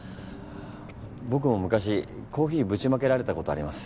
僕も昔コーヒーぶちまけられたことあります。